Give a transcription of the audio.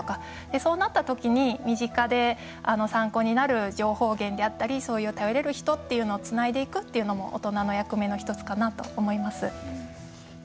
そうなったときに身近で参考になる情報源であったりそういう頼れる人っていうのをつないでいくっていうのも大人の役目の１つかなと思います。